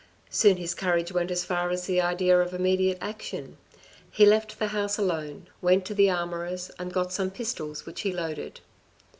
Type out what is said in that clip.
Soon his courage went as far as the idea of immediate action. He left the house alone, went to the armourer's and got some pistols which he loaded.